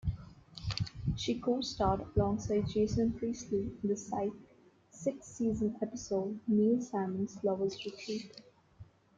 She co-starred alongside Jason Priestley in the "Psych" sixth-season episode, "Neil Simon's Lover's Retreat".